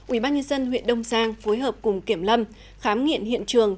ủy ban nhân dân huyện đông giang phối hợp cùng kiểm lâm khám nghiện hiện trường